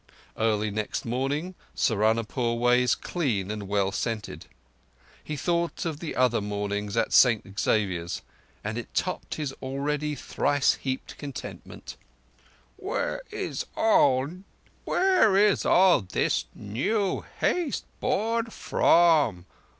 Early morning Saharunpore way is clean and well scented. He thought of the other mornings at St Xavier's, and it topped his already thrice heaped contentment. "Where is this new haste born from?